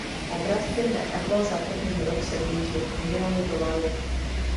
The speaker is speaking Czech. Obrat firmy Apple za první rok se blížil k milionu dolarů.